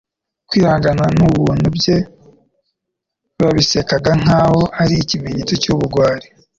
Kwihangana n'ubuntu bye, babisekaga nkaho ari ikimenyetso cy'ubugwari.